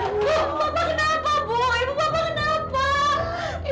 sudah menghentikan masa yang sedikit pak